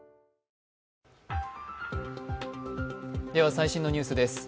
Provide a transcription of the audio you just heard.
最新のニュースです。